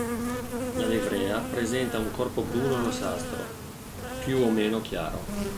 La livrea presenta un corpo bruno rossastro, più o meno chiaro.